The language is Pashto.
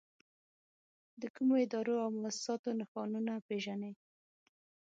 د کومو ادارو او مؤسساتو نښانونه پېژنئ؟